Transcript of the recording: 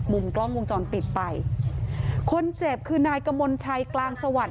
มุมกล้องวงจรปิดไปคนเจ็บคือนายกมลชัยกลางสวัสดิ